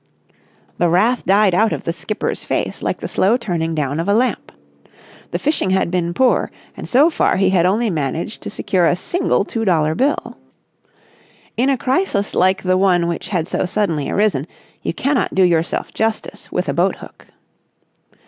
The wrath died out of the skipper's face like the slow turning down of a lamp. The fishing had been poor, and so far he had only managed to secure a single two dollar bill. In a crisis like the one which had so suddenly arisen you cannot do yourself justice with a boat hook.